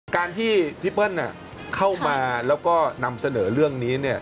การที่พี่เปิ้ลเข้ามาแล้วก็นำเสนอเรื่องนี้